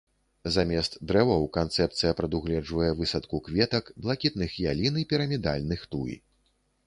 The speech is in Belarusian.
Замест дрэваў канцэпцыя прадугледжвае высадку кветак, блакітных ялін і пірамідальных туй.